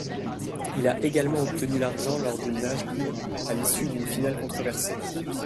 Il a également obtenu l'argent lors du nage libre, à l'issue d'une finale controversée.